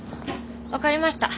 分かりました。